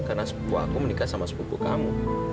karena sepupu aku menikah sama sepupu kamu